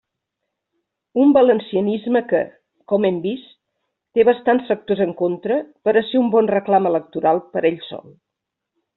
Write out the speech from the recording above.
Un valencianisme que, com hem vist, té bastants factors en contra per a ser un bon reclam electoral per ell sol.